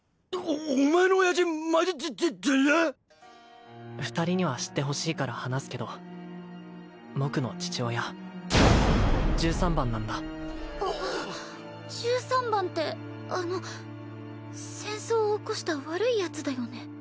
おお前の親父まじゅちゅ２人には知ってほしいから話すけど僕の父親十三番なんだ十三番ってあの戦争を起こした悪いヤツだよね？